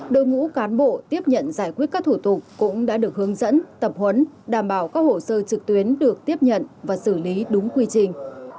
đội ngũ cán bộ tiếp nhận giải quyết các thủ tục cũng đã được hướng dẫn tập huấn đảm bảo các hồ sơ trực tuyến được tiếp nhận và xử lý đúng quy trình